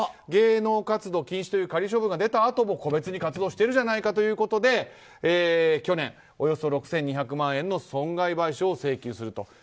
芸能活動禁止という仮処分が出たあとも個別に活動してるじゃないかということで去年、およそ６２００万円の損害賠償を請求すると。